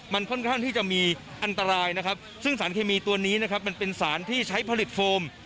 มันค่อนข้างที่จะมีอันตรายนะครับซึ่งสารเคมีตัวนี้นะครับมันเป็นสารที่ใช้ผลิตโฟม